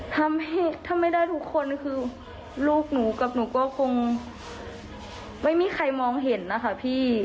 ทำให้ถ้าไม่ได้ทุกคนคือลูกหนูกับหนูก็คงไม่มีใครมองเห็นนะคะพี่